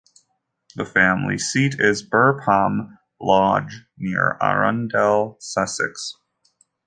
The family seat is Burpham Lodge, near Arundel, Sussex.